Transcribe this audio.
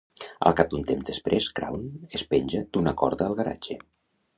Al cap d'un temps després, Crown es penja d'una corda al garatge.